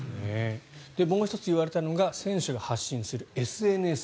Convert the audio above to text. もう１つ言われたのが選手が発信するＳＮＳ。